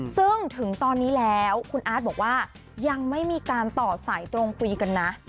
ซึ่งถึงตอนนี้แล้วคุณอาร์ตบอกว่ายังไม่มีการต่อสายตรงคุยกันนะ